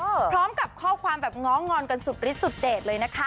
พร้อมกับข้อความแบบง้องอนกันสุดฤทธสุดเด็ดเลยนะคะ